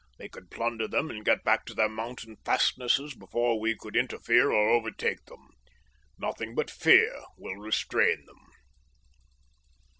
They could plunder them and get back to their mountain fastnesses before we could interfere or overtake them. Nothing but fear will restrain them.